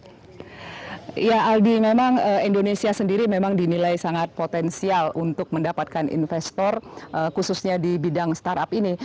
ya aldi memang indonesia sendiri memang dinilai sangat potensial untuk mendapatkan investor khususnya di bidang startup ini